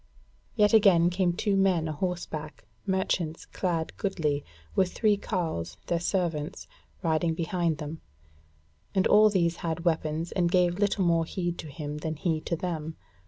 Yet again came two men a horseback, merchants clad goodly, with three carles, their servants, riding behind them; and all these had weapons and gave little more heed to him than he to them.